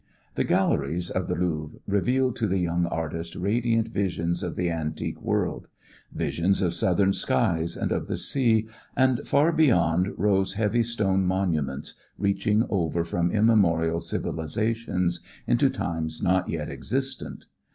The galleries of the Louvre revealed to the young artist radiant visions of the antique world; visions of southern skies, and of the sea, and far beyond rose heavy stone monuments, reaching over from immemorial civilizations into times not yet existent.